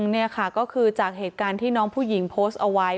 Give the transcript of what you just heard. นี่ค่ะก็คือจากเหตุการณ์ที่น้องผู้หญิงโพสต์เอาไว้